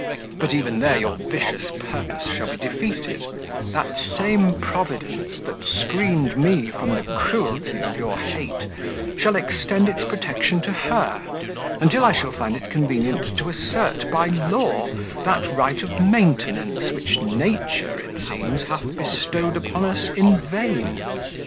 But even there your vicious purpose shall be defeated: that same Providence, that screened me from the cruelty of your hate, shall extend its protection to her, until I shall find it convenient to assert by law that right of maintenance which Nature, it seems, hath bestowed upon us in vain.